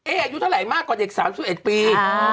เอ่ออายุเท่ามากกว่าเด็ก๓๑ปี